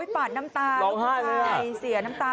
ปาดน้ำตาล้องห้าดเลยอ่ะ